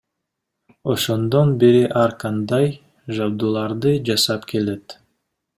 Ошондон бери ар кандай жабдууларды жасап келет.